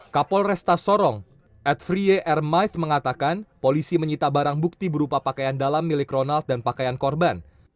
kapolres kota sorong edfrie hermit mengatakan polisi menyita barang bukti berupa pakaian dalam milik ronald dan pakaian korban